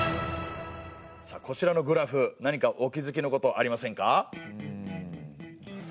さあこちらのグラフ何かお気づきのことありませんか？